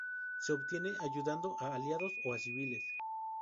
Se obtiene ayudando a aliados o a civiles.